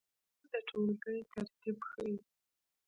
مېز د ټولګۍ ترتیب ښیي.